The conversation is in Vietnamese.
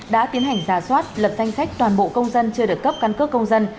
đã tiến hành ra soát lập thanh sách toàn bộ công dân chưa được cấp căn cước công dân